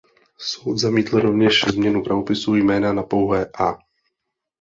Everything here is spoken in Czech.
Soud zamítl rovněž změnu pravopisu jména na pouhé „A“.